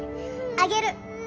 あげる。